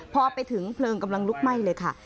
พอไปถึงเพลิงกำลังลุกไหม้เลยค่ะ